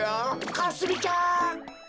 かすみちゃん！